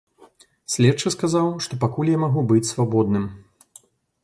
Следчы сказаў, што пакуль я магу быць свабодным.